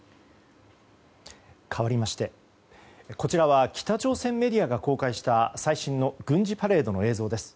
かわりましてこちらは北朝鮮メディアが公開した、最新の軍事パレードの映像です。